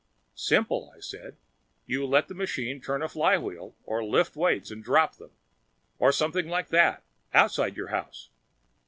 "Simple," I said. "You just let the machine turn a flywheel or lift weights and drop them, or something like that, outside your house.